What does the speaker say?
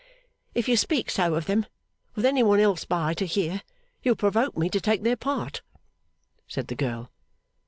'If you speak so of them with any one else by to hear, you'll provoke me to take their part,' said the girl.